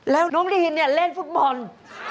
แล้วน้องรีนเนี่ยเล่นฟุตบอล